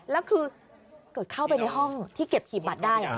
แล้วคือเกิดเข้าไปในห้องที่เก็บหีบบัตรได้